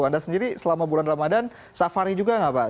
anda sendiri selama bulan ramadan safari juga nggak pak